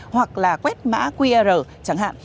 hoặc là quét mã qr chẳng hạn